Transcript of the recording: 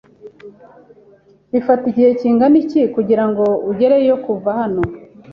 Bifata igihe kingana iki kugirango ugereyo kuva hano?